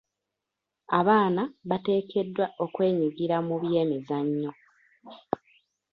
Abaana bateekeddwa okwenyigira mu by'emizannyo..